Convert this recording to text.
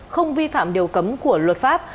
không vi phạm điều cấm của luật pháp